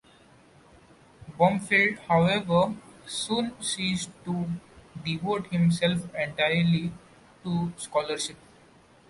Blomfield, however, soon ceased to devote himself entirely to scholarship.